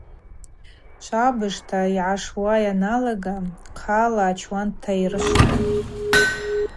Швабыжта йгӏашуа йаналага хъала ачуан тштайрышвтӏ.